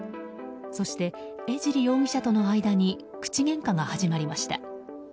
そして江尻容疑者との間に口げんかが始まりました。